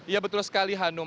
ya betul sekali hanum